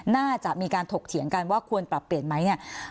น่าจะมีการถกเถียงกันว่าควรปรับเปลี่ยนไหมเนี่ย